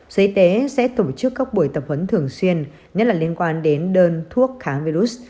giới tế sẽ tổ chức các buổi tập huấn thường xuyên nhất là liên quan đến đơn thuốc kháng virus